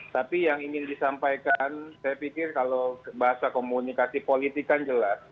tapi yang ingin disampaikan saya pikir kalau bahasa komunikasi politik kan jelas